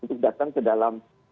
untuk datang ke dalam